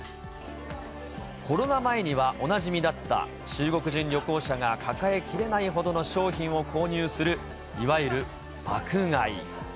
コロナ前にはおなじみだった中国人旅行者が抱えきれないほどの商品を購入する、いわゆる爆買い。